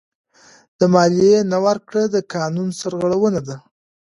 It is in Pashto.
د مالیې نه ورکړه د قانون سرغړونه ده.